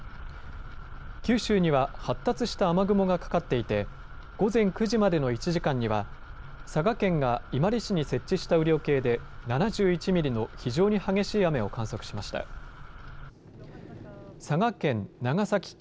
九州には発達した雨雲がかかっていて午前９時までの１時間には佐賀県が伊万里市に設置した雨量計で７１ミリの非常に激しい雨を観測しました。